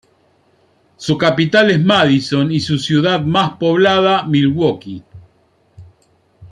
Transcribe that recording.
Su capital es Madison y su ciudad más poblada, Milwaukee.